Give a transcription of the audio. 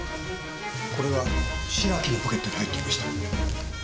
これが白木のポケットに入っていました。